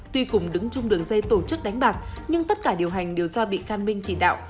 tuy cùng đứng chung đường dây tổ chức đánh bạc nhưng tất cả điều hành đều do bị can minh chỉ đạo